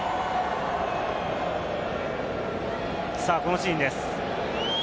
このシーンです。